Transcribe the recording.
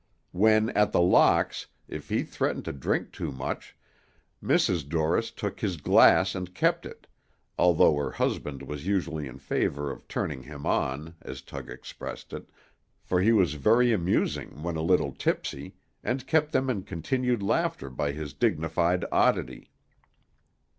When at The Locks, if he threatened to drink too much, Mrs. Dorris took his glass and kept it, although her husband was usually in favor of "turning him on," as Tug expressed it, for he was very amusing when a little tipsy, and kept them in continued laughter by his dignified oddity.